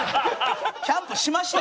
キャンプしました？